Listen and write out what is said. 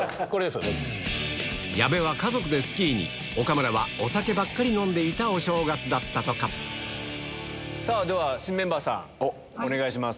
矢部は家族でスキーに岡村はお酒ばっかり飲んでいたお正月だったとかでは新メンバーさんお願いします。